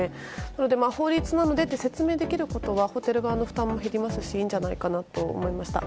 なので、法律なのでと説明できることはホテル側の負担も減りますしいいんじゃないかなと思いました。